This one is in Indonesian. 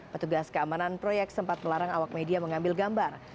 petugas keamanan proyek sempat melarang awak media mengambil gambar